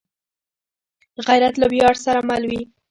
غیرت له ویاړ سره مل وي